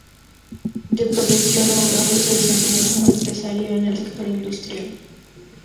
De profesión abogado, se desempeñó como empresario en el sector industrial.